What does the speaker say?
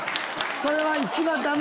それは一番ダメ。